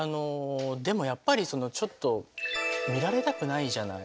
でもやっぱりちょっと見られたくないじゃない？